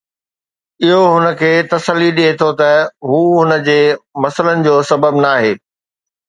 اهو هن کي تسلي ڏئي ٿو ته هو هن جي مسئلن جو سبب ناهي.